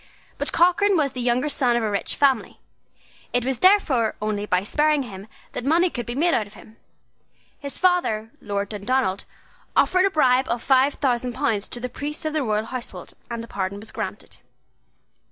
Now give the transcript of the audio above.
But Cochrane was the younger son of a rich family; it was therefore only by sparing him that money could be made out of him. His father, Lord Dundonald, offered a bribe of five thousand pounds to the priests of the royal household; and a pardon was granted.